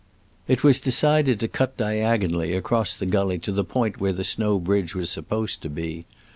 It was decided to cut diagonally across the gully to the point where the snow bridge was supposed to be.